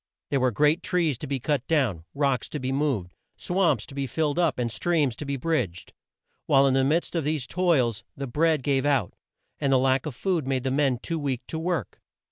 There were great trees to be cut down, rocks to be moved, swamps to be filled up, and streams to be bridged. While in the midst of these toils, the bread gave out, and the lack of food made the men too weak to work.